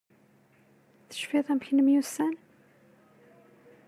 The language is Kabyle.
Tecfiḍ amek nemyussan?